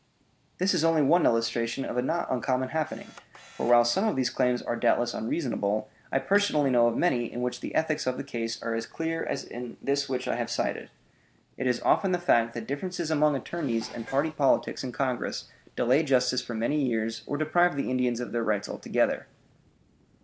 This is only one illustration of a not uncommon happening; for, while some of these claims are doubtless unreasonable, I personally know of many in which the ethics of the case are as clear as in this which I have cited. It is often the fact that differences among attorneys and party politics in Congress delay justice for many years or deprive the Indians of their rights altogether.